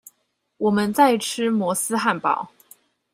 我們在吃摩斯漢堡